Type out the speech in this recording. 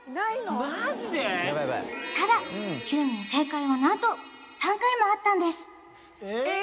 ヤバイヤバイただ９人正解は何と３回もあったんですえっ？